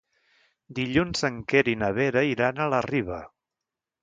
Dilluns en Quer i na Vera iran a la Riba.